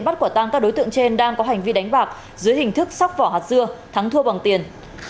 bắt quả tang các đối tượng trên đang có hành vi đánh bạc dưới hình thức sóc vỏ hạt dưa thắng thua bằng tiền